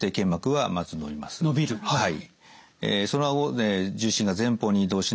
はい。